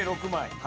はい。